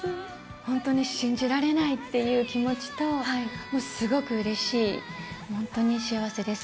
本当に信じられないっていう気持ちと、もうすごくうれしい、本当に幸せです。